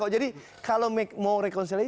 jadi kalau mau rekonsiliasi